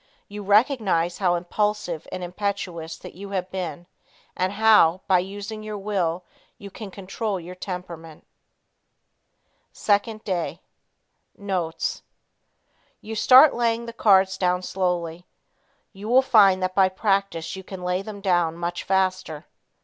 You recognize how impulsive and impetuous you have been, and how, by using your will, you can control your temperament. 2nd Day. Notes. You start laying the cards down slowly. You will find that by practice you can lay them down much faster.